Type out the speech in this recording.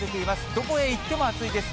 どこへ行っても暑いです。